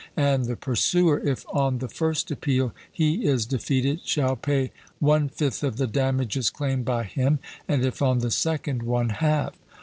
And the pursuer, if on the first appeal he is defeated, shall pay one fifth of the damages claimed by him; and if on the second, one half.